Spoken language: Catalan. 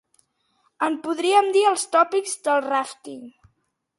En podríem dir els “tòpics del ràfting”.